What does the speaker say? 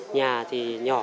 nhà thì nhỏ